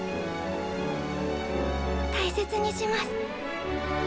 大切にします。